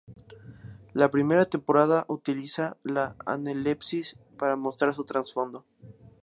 La primera temporada utiliza la analepsis para mostrar su trasfondo.